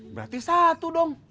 berarti satu dong